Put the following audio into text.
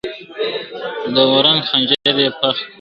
د اورنګ خنجر يې پڅ کی !.